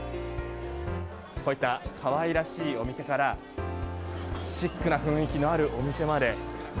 こういった可愛らしいお店からシックな雰囲気のあるお店まで。